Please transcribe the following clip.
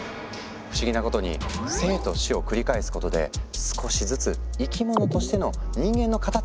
不思議なことに生と死を繰り返すことで少しずつ生き物としての人間の形を得ていくんだ。